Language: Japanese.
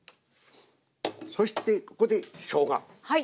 そしてここでしょうが。